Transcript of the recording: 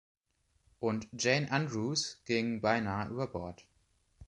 Und Jane Andrews ging beinahe über Bord.